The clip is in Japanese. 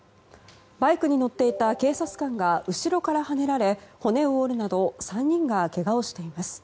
バイクに乗っていた警察官が後ろからはねられ骨を折るなど３人がけがをしています。